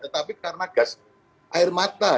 tetapi karena gas air mata